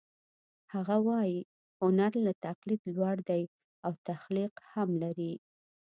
هغه وايي هنر له تقلید لوړ دی او تخلیق هم لري